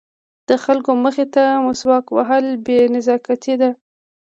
د خلکو مخې ته مسواک وهل بې نزاکتي ده.